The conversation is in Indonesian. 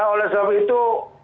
oleh sebab itu